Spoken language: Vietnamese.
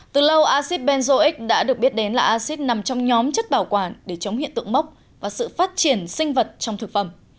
từ lâu acid benzoic đã được biết đến là acid nằm trong nhóm chất bảo quản để chống hiện tượng mốc và sự phát triển sinh vật trong thực phẩm